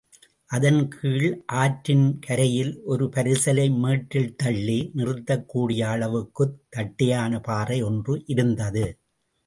அதன்கீழே ஆற்றின் கரையில் ஒரு பரிசலை மேட்டில் தள்ளி நிறுத்தக்கூடிய அளவுக்குத் தட்டையான பாறை ஒன்று இருந்தது.